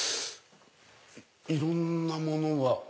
いろんなものが。